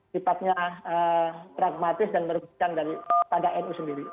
sifatnya pragmatis dan merugikan pada nu sendiri